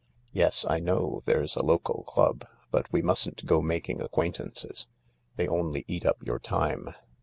Yes, I know there's a local club, but we mustn't go making acquaintances. They only eat up your time."